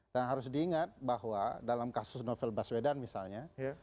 dan harus diingat bahwa dalam kasus novel baswedan misalnya